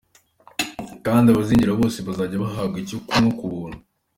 Kandi abazinjira bose bazajya bahabwa icyo kunywa cy’ubuntu”.